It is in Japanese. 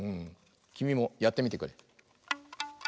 きみもやってみてくれ。